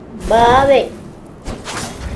ބާވަތް